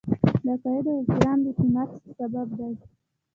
د عقایدو احترام د اعتماد سبب دی.